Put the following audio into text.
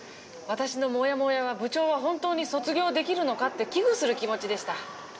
私のモヤモヤは「部長は本当に卒業できるのか」って危惧する気持ちでした。